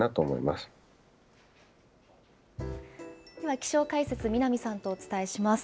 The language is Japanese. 気象解説、南さんとお伝えします。